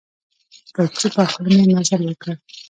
په چوپه خوله مي مزل وکړ .